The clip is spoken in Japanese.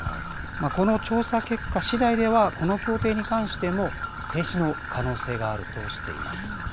この調査結果しだいでは、この協定に関しても停止の可能性があるとしています。